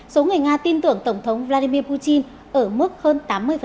số người nga tin tưởng tổng thống vladimir putin ở mức hơn tám mươi